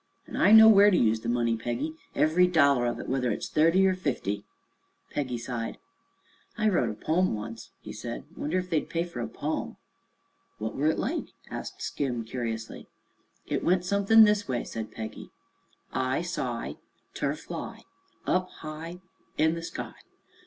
An' I know where to use the money, Peggy, ev'ry dollar of it, whether it's thirty er fifty." Peggy sighed. "I writ a pome once," he said. "Wonder ef they'd pay fer a pome?" "What were it like?" asked Skim curiously. "It went someth'n' this way," said Peggy: "I sigh Ter fly Up high In the sky.